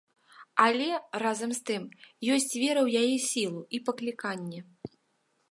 Але, разам з тым, ёсць вера ў яе сілу і пакліканне.